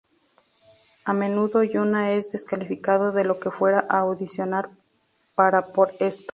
A menudo Yuna es descalificado de lo que fuera a audicionar para por esto.